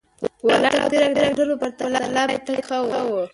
په ولاړه او تګ تېره کړه، د موټر په پرتله پلی تګ ښه و.